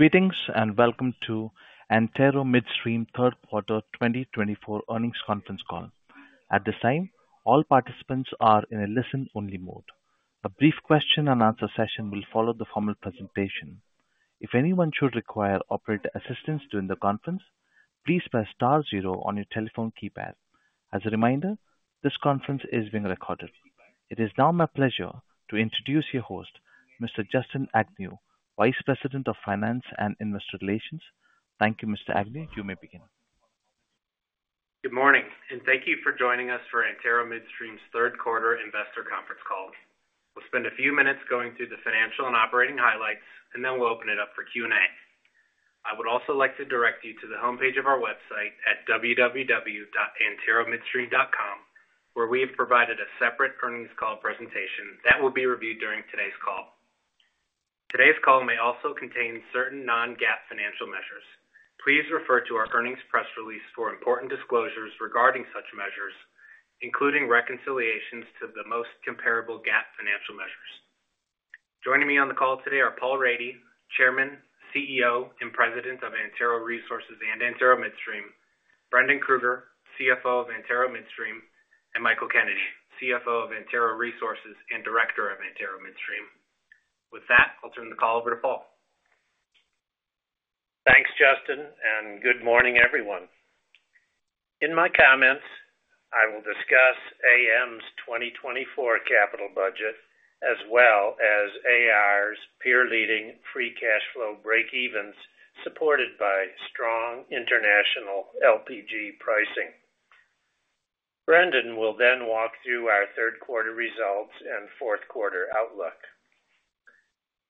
Greetings and welcome to Antero Midstream Third Quarter 2024 earnings conference call. At this time, all participants are in a listen-only mode. A brief question-and-answer session will follow the formal presentation. If anyone should require operator assistance during the conference, please press star zero on your telephone keypad. As a reminder, this conference is being recorded. It is now my pleasure to introduce your host, Mr. Justin Agnew, Vice President of Finance and Investor Relations. Thank you, Mr. Agnew. You may begin. Good morning, and thank you for joining us for Antero Midstream's Third Quarter Investor Conference Call. We'll spend a few minutes going through the financial and operating highlights, and then we'll open it up for Q&A. I would also like to direct you to the homepage of our website at www.anteromidstream.com, where we have provided a separate earnings call presentation that will be reviewed during today's call. Today's call may also contain certain non-GAAP financial measures. Please refer to our earnings press release for important disclosures regarding such measures, including reconciliations to the most comparable GAAP financial measures. Joining me on the call today are Paul Rady, Chairman, CEO, and President of Antero Resources and Antero Midstream; Brendan Krueger, CFO of Antero Midstream; and Michael Kennedy, CFO of Antero Resources and Director of Antero Midstream. With that, I'll turn the call over to Paul. Thanks, Justin, and good morning, everyone. In my comments, I will discuss AM's 2024 capital budget, as well as AR's peer-leading free cash flow break-evens supported by strong international LPG pricing. Brendan will then walk through our third-quarter results and fourth-quarter outlook.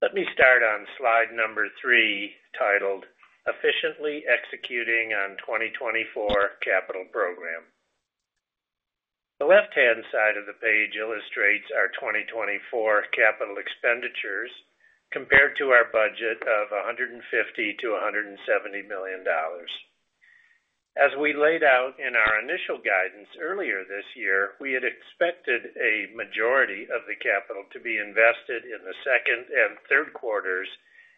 Let me start on slide number three, titled "Efficiently Executing on 2024 Capital Program." The left-hand side of the page illustrates our 2024 capital expenditures compared to our budget of $150-$170 million. As we laid out in our initial guidance earlier this year, we had expected a majority of the capital to be invested in the second and third quarters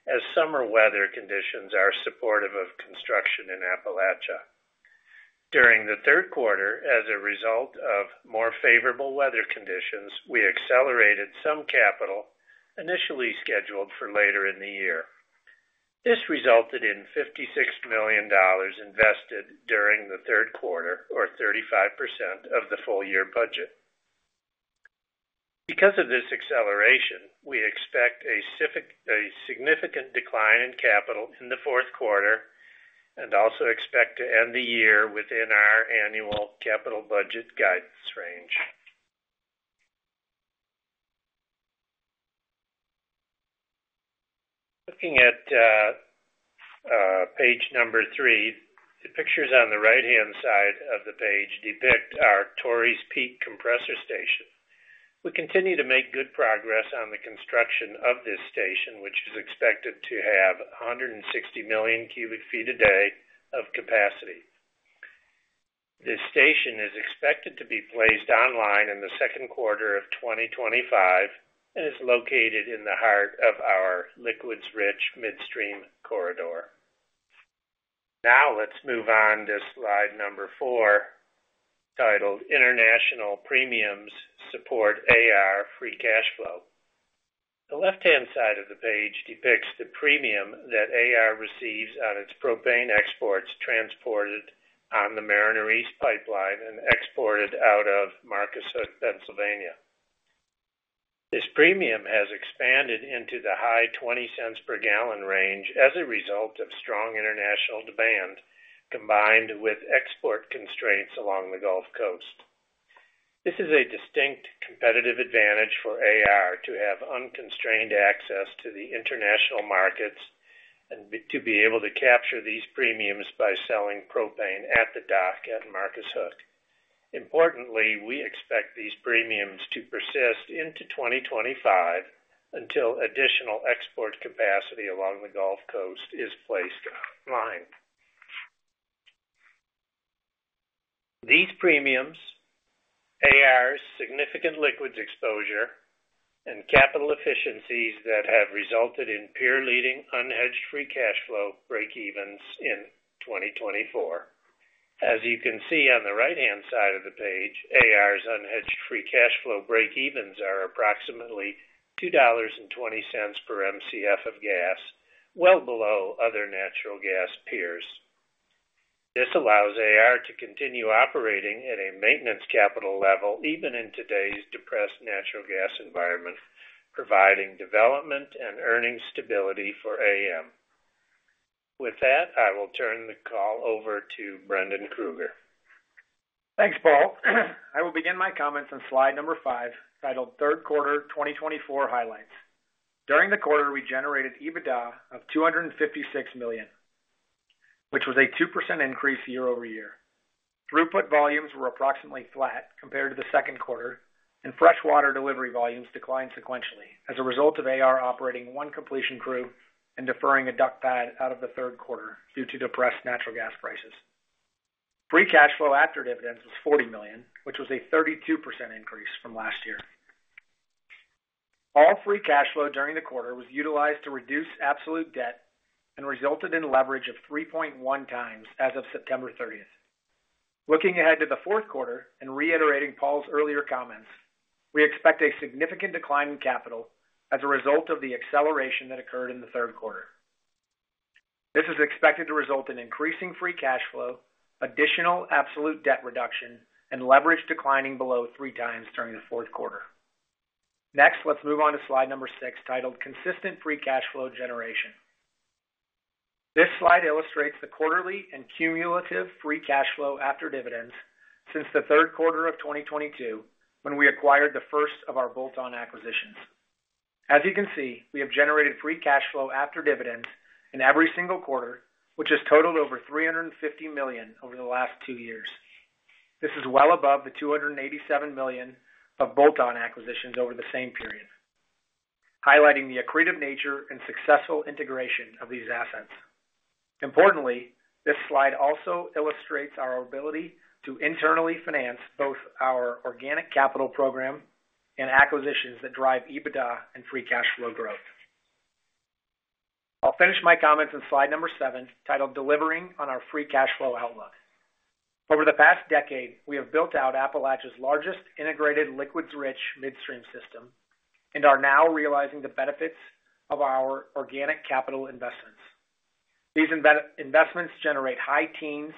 as summer weather conditions are supportive of construction in Appalachia. During the third quarter, as a result of more favorable weather conditions, we accelerated some capital initially scheduled for later in the year. This resulted in $56 million invested during the third quarter, or 35% of the full-year budget. Because of this acceleration, we expect a significant decline in capital in the fourth quarter and also expect to end the year within our annual capital budget guidance range. Looking at page number three, the pictures on the right-hand side of the page depict our Torreys Peak Compressor Station. We continue to make good progress on the construction of this station, which is expected to have 160 million cubic feet a day of capacity. This station is expected to be placed online in the second quarter of 2025 and is located in the heart of our liquids-rich midstream corridor. Now let's move on to slide number four, titled "International Premiums Support AR Free Cash Flow." The left-hand side of the page depicts the premium that AR receives on its propane exports transported on the Mariner East Pipeline and exported out of Marcus Hook, Pennsylvania. This premium has expanded into the high 20 cents per gallon range as a result of strong international demand combined with export constraints along the Gulf Coast. This is a distinct competitive advantage for AR to have unconstrained access to the international markets and to be able to capture these premiums by selling propane at the dock at Marcus Hook. Importantly, we expect these premiums to persist into 2025 until additional export capacity along the Gulf Coast is placed online. These premiums, AR's significant liquids exposure, and capital efficiencies that have resulted in peer-leading unhedged free cash flow break-evens in 2024. As you can see on the right-hand side of the page, AR's unhedged free cash flow break-evens are approximately $2.20 per MCF of gas, well below other natural gas peers. This allows AR to continue operating at a maintenance capital level even in today's depressed natural gas environment, providing development and earnings stability for AM. With that, I will turn the call over to Brendan Krueger. Thanks, Paul. I will begin my comments on slide number five, titled "Third Quarter 2024 Highlights." During the quarter, we generated EBITDA of $256 million, which was a 2% increase year over year. Throughput volumes were approximately flat compared to the second quarter, and freshwater delivery volumes declined sequentially as a result of AR operating one completion crew and deferring a DUC pad out of the third quarter due to depressed natural gas prices. Free cash flow after dividends was $40 million, which was a 32% increase from last year. All free cash flow during the quarter was utilized to reduce absolute debt and resulted in leverage of 3.1 times as of September 30th. Looking ahead to the fourth quarter and reiterating Paul's earlier comments, we expect a significant decline in capital as a result of the acceleration that occurred in the third quarter. This is expected to result in increasing free cash flow, additional absolute debt reduction, and leverage declining below three times during the fourth quarter. Next, let's move on to slide number six, titled "Consistent Free Cash Flow Generation." This slide illustrates the quarterly and cumulative free cash flow after dividends since the third quarter of 2022 when we acquired the first of our bolt-on acquisitions. As you can see, we have generated free cash flow after dividends in every single quarter, which has totaled over $350 million over the last two years. This is well above the $287 million of bolt-on acquisitions over the same period, highlighting the accretive nature and successful integration of these assets. Importantly, this slide also illustrates our ability to internally finance both our organic capital program and acquisitions that drive EBITDA and free cash flow growth. I'll finish my comments on slide number seven, titled "Delivering on Our Free Cash Flow Outlook." Over the past decade, we have built out Appalachia's largest integrated liquids-rich midstream system and are now realizing the benefits of our organic capital investments. These investments generate high teens,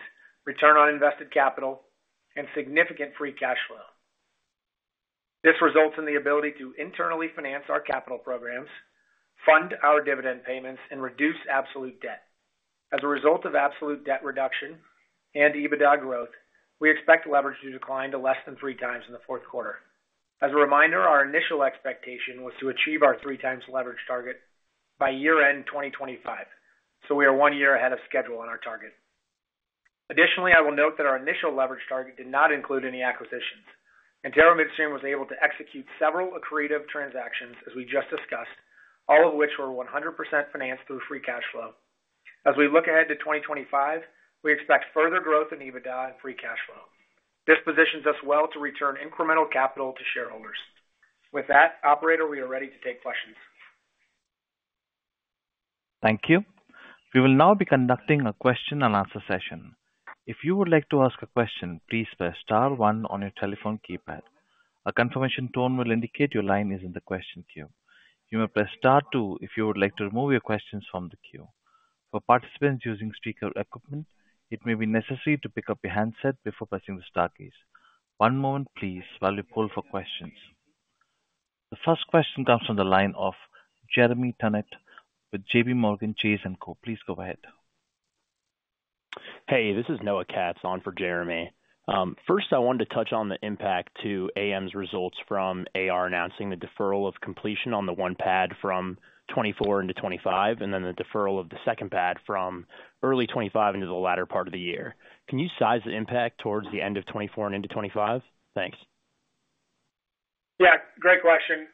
return on invested capital, and significant free cash flow. This results in the ability to internally finance our capital programs, fund our dividend payments, and reduce absolute debt. As a result of absolute debt reduction and EBITDA growth, we expect leverage to decline to less than three times in the fourth quarter. As a reminder, our initial expectation was to achieve our three-times leverage target by year-end 2025, so we are one year ahead of schedule on our target. Additionally, I will note that our initial leverage target did not include any acquisitions. Antero Midstream was able to execute several accretive transactions, as we just discussed, all of which were 100% financed through free cash flow. As we look ahead to 2025, we expect further growth in EBITDA and free cash flow. This positions us well to return incremental capital to shareholders. With that, Operator, we are ready to take questions. Thank you. We will now be conducting a question-and-answer session. If you would like to ask a question, please press star one on your telephone keypad. A confirmation tone will indicate your line is in the question queue. You may press star two if you would like to remove your questions from the queue. For participants using speaker equipment, it may be necessary to pick up your handset before pressing the star keys. One moment, please, while we pull for questions. The first question comes from the line of Jeremy Tonet with JPMorgan Chase & Co. Please go ahead. Hey, this is Noah Katz on for Jeremy. First, I wanted to touch on the impact to AM's results from AR announcing the deferral of completion on the one pad from 2024 into 2025, and then the deferral of the second pad from early 2025 into the latter part of the year. Can you size the impact towards the end of 2024 and into 2025? Thanks. Yeah, great question.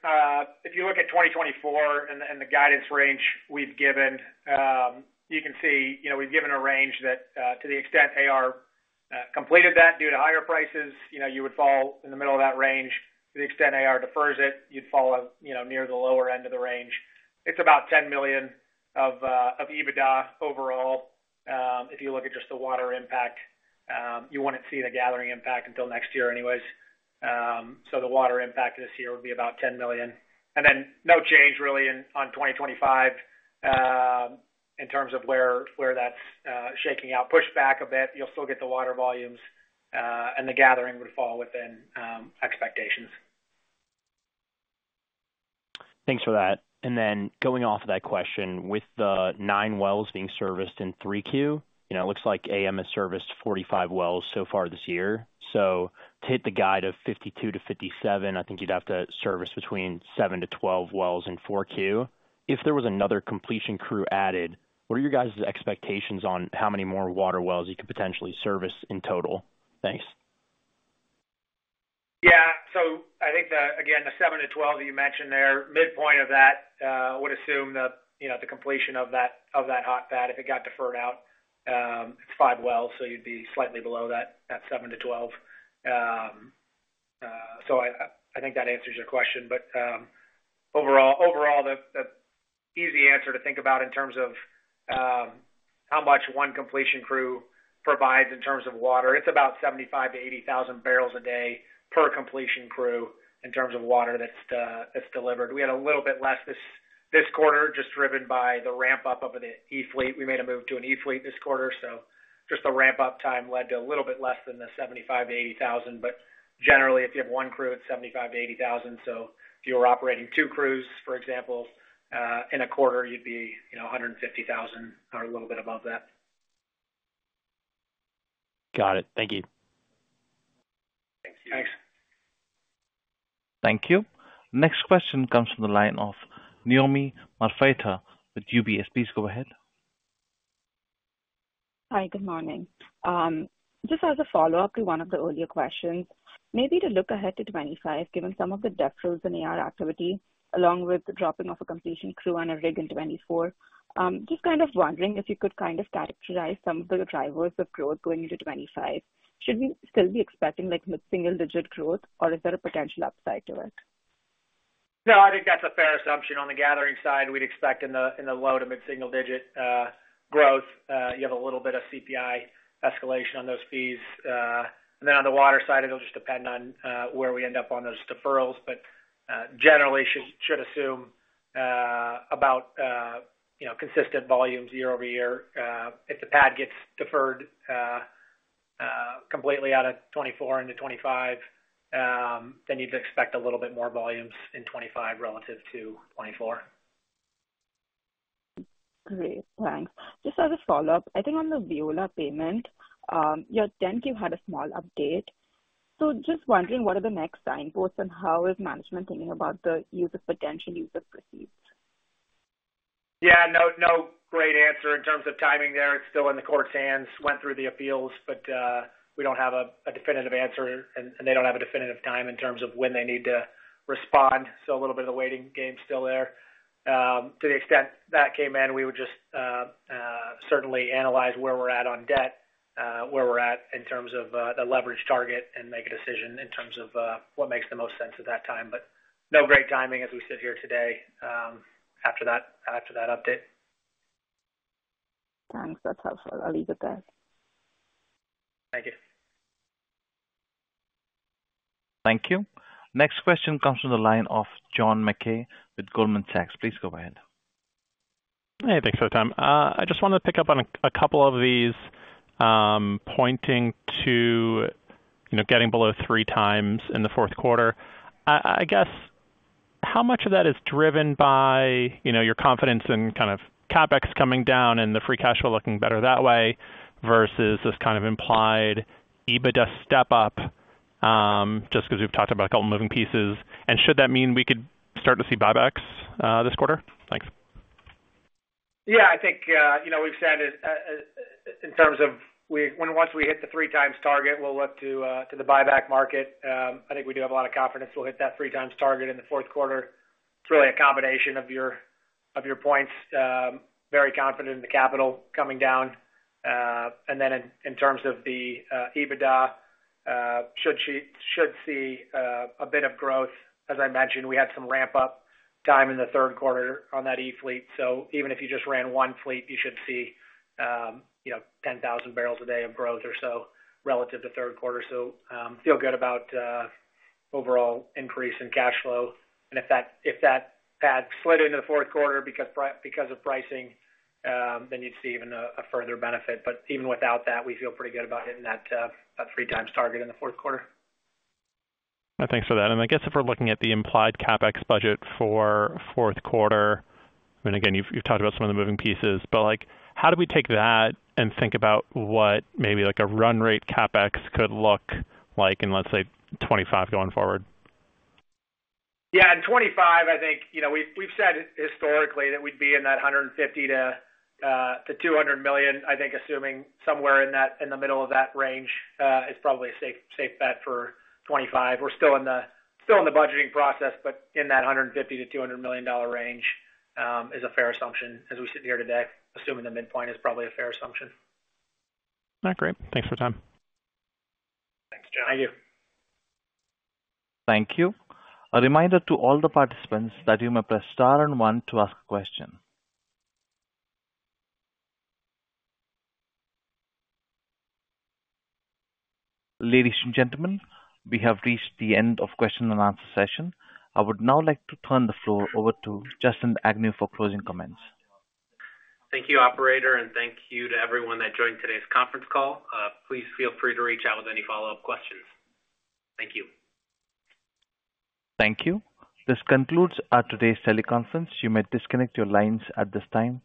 If you look at 2024 and the guidance range we've given, you can see we've given a range that to the extent AR completed that due to higher prices, you would fall in the middle of that range. To the extent AR defers it, you'd fall near the lower end of the range. It's about $10 million of EBITDA overall. If you look at just the water impact, you wouldn't see the gathering impact until next year anyways. So the water impact this year would be about $10 million, and then no change really in 2025 in terms of where that's shaking out. Push back a bit, you'll still get the water volumes, and the gathering would fall within expectations. Thanks for that. And then going off of that question, with the nine wells being serviced in 3Q, it looks like AM has serviced 45 wells so far this year. So to hit the guide of 52-57, I think you'd have to service between seven to 12 wells in 4Q. If there was another completion crew added, what are your guys' expectations on how many more water wells you could potentially service in total? Thanks. Yeah, so I think, again, the 7-12 that you mentioned there, midpoint of that, I would assume the completion of that hot pad. If it got deferred out, it's five wells, so you'd be slightly below that 7-12. So I think that answers your question. But overall, the easy answer to think about in terms of how much one completion crew provides in terms of water, it's about 75,000-80,000 barrels a day per completion crew in terms of water that's delivered. We had a little bit less this quarter, just driven by the ramp-up of the E-fleet. We made a move to an E-fleet this quarter, so just the ramp-up time led to a little bit less than the 75,000-80,000. But generally, if you have one crew, it's 75,000-80,000. So if you were operating two crews, for example, in a quarter, you'd be 150,000 or a little bit above that. Got it. Thank you. Thanks. Thank you. Next question comes from the line of Naomi Mafeta, with UBS. Please go ahead. Hi, good morning. Just as a follow-up to one of the earlier questions, maybe to look ahead to 2025, given some of the DUCs in AR activity, along with the dropping of a completion crew and a rig in 2024, just kind of wondering if you could kind of characterize some of the drivers of growth going into 2025. Should we still be expecting single-digit growth, or is there a potential upside to it? No, I think that's a fair assumption. On the gathering side, we'd expect in the low to mid-single-digit growth, you have a little bit of CPI escalation on those fees. And then on the water side, it'll just depend on where we end up on those deferrals. But generally, should assume about consistent volumes year over year. If the pad gets deferred completely out of 2024 into 2025, then you'd expect a little bit more volumes in 2025 relative to 2024. Great. Thanks. Just as a follow-up, I think on the Veolia payment, your 10-Q had a small update. So just wondering, what are the next signposts, and how is management thinking about the potential use of proceeds? Yeah, no great answer in terms of timing there. It's still in the court's hands. Went through the appeals, but we don't have a definitive answer, and they don't have a definitive time in terms of when they need to respond. So a little bit of the waiting game still there. To the extent that came in, we would just certainly analyze where we're at on debt, where we're at in terms of the leverage target, and make a decision in terms of what makes the most sense at that time. But no great timing as we sit here today after that update. Thanks. That's helpful. I'll leave it there. Thank you. Thank you. Next question comes from the line of John Mackay with Goldman Sachs. Please go ahead. Hey, thanks for the time. I just wanted to pick up on a couple of these pointing to getting below three times in the fourth quarter. I guess how much of that is driven by your confidence in kind of CapEx coming down and the free cash flow looking better that way versus this kind of implied EBITDA step-up, just because we've talked about a couple of moving pieces? And should that mean we could start to see buybacks this quarter? Thanks. Yeah, I think we've said it in terms of once we hit the three-times target, we'll look to the buyback market. I think we do have a lot of confidence we'll hit that three-times target in the fourth quarter. It's really a combination of your points. Very confident in the capital coming down. And then in terms of the EBITDA, should see a bit of growth. As I mentioned, we had some ramp-up time in the third quarter on that E fleet. So even if you just ran one fleet, you should see 10,000 barrels a day of growth or so relative to third quarter. So feel good about overall increase in cash flow. And if that pad slid into the fourth quarter because of pricing, then you'd see even a further benefit. But even without that, we feel pretty good about hitting that three-times target in the fourth quarter. Thanks for that. And I guess if we're looking at the implied CapEx budget for fourth quarter, and again, you've talked about some of the moving pieces, but how do we take that and think about what maybe a run rate CapEx could look like in, let's say, 2025 going forward? Yeah, in 2025, I think we've said historically that we'd be in that $150 million-$200 million. I think assuming somewhere in the middle of that range is probably a safe bet for 2025. We're still in the budgeting process, but in that $150 million-$200 million range is a fair assumption as we sit here today. Assuming the midpoint is probably a fair assumption. All right. Great. Thanks for your time. Thanks, John. Thank you. Thank you. A reminder to all the participants that you may press star and one to ask a question. Ladies and gentlemen, we have reached the end of the question-and-answer session. I would now like to turn the floor over to Justin Agnew for closing comments. Thank you, Operator, and thank you to everyone that joined today's conference call. Please feel free to reach out with any follow-up questions. Thank you. Thank you. This concludes today's teleconference. You may disconnect your lines at this time.